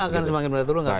akan semakin mudah terungkap